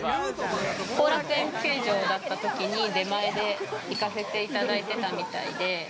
後楽園球場だったときに出前で行かせていただいてたみたいで。